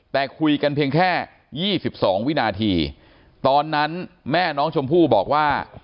แต่คุยกันเพียงแค่๒๒วินาทีตอนนั้นแม่น้องชมพู่บอกว่า